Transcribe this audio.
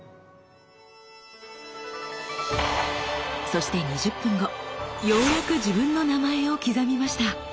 そして２０分後ようやく自分の名前を刻みました。